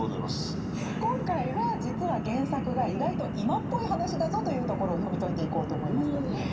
今回は実は原作が意外と今っぽい話だぞというところを読み解いていこうと思います。